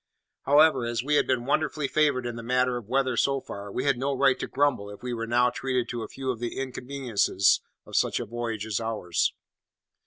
However, as we had been wonderfully favoured in the matter of weather so far, we had no right to grumble if we were now treated to a few of the inconveniences of such a voyage as ours.